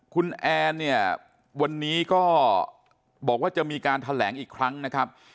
คุณแอนเนี่ยวันนี้ก็บอกว่าจะมีการแถลงอีกครั้งนะครับ